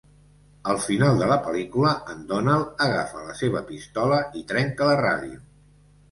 Al final de la pel·lícula en Donald agafa la seva pistola i trenca la ràdio.